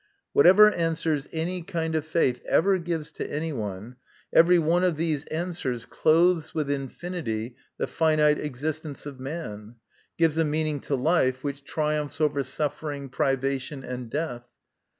Whatever answers any kind of faith ever gives to anyone, every one of these answers clothes with infinity the finite existence of man, gives a meaning to life which triumphs 88 MY CONFESS/ON. over suffering, privation, and death.